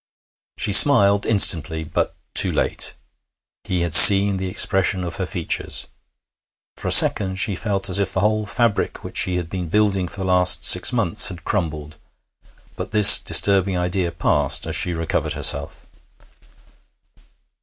She smiled instantly, but too late; he had seen the expression of her features. For a second she felt as if the whole fabric which she had been building for the last six months had crumbled; but this disturbing idea passed as she recovered herself.